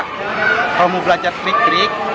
kalau mau belajar trik trik